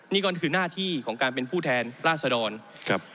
นี่ก็คือหน้าที่ของการเป็นผู้แทนราษดรครับ